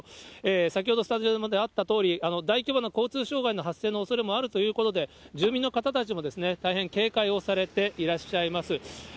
先ほど、スタジオでもあったとおり、大規模な交通障害の発生のおそれもあるということで、住民の方たちも大変警戒をされていらっしゃいます。